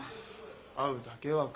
「会うだけは」か。